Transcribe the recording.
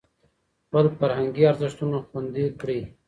خپل فرهنګي ارزښتونه خوندي کړئ.